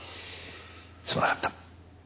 すまなかった。